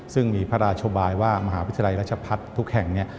ซึ่งมีพระราชบายว่ามหาวิทยาลัยราชพัฒน์ทุกแห่งเนี่ย